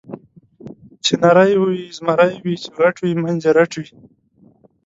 چې نری وي زمری وي، چې غټ وي منځ یې رټ وي.